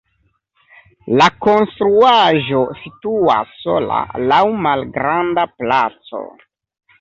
La konstruaĵo situas sola laŭ malgranda placo.